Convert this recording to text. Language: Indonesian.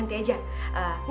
nanti saya yang kesana ya